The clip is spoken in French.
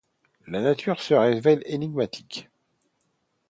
Sa nature se révèle énigmatique.